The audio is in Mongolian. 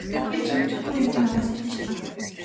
Хэлж мэдэхгүй юмыг надаас битгий шалгаа.